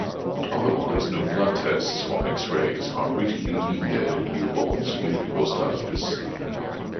Otherwise no blood tests or X-rays are routinely needed in newborns with hypospadias.